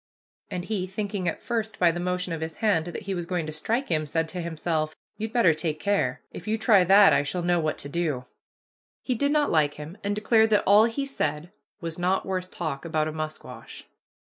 and he, thinking at first, by the motion of his hand, that he was going to strike him, said to himself, "You'd better take care; if you try that I shall know what to do." He did not like him, and declared that all he said "was not worth talk about a musquash."